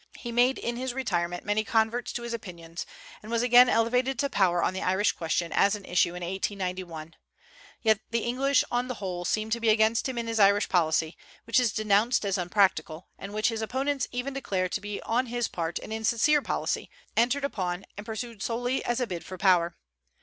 He made in his retirement many converts to his opinions, and was again elevated to power on the Irish question as an issue in 1891. Yet the English on the whole seem to be against him in his Irish policy, which is denounced as unpractical, and which his opponents even declare to be on his part an insincere policy, entered upon and pursued solely as a bid for power.